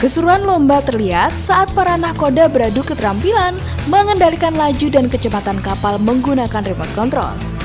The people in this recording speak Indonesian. keseruan lomba terlihat saat para nahkoda beradu keterampilan mengendalikan laju dan kecepatan kapal menggunakan remote control